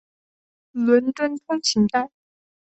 伦敦通勤带。